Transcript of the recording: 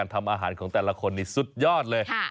ทำอาหารของแต่ละคนนี่สุดยอดเลย